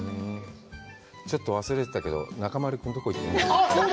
ちょっと忘れてたけど、中丸君、どこ行ってるんでしょう。